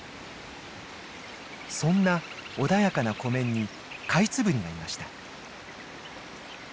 そんな穏やかな湖面にカイツブリがいました。